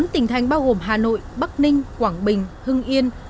bốn tỉnh thành bao gồm hà nội bắc ninh quảng bình hưng yên